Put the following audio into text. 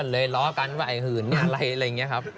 ล้อกันว่าไอ้หื่นอะไรอะไรอย่างนี้ครับ